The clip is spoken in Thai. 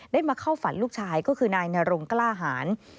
มาเข้าฝันลูกชายก็คือนายนรงกล้าหาร